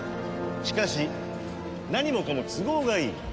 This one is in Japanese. しかし何もかも都合がいい。